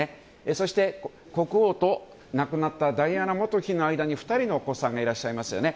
そして、国王と亡くなったダイアナ元妃の間に２人のお子さんがいらっしゃいますよね。